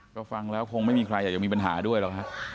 ก็ฟังแล้วคงไม่มีใครอยากจะมีปัญหาด้วยหรอกฮะ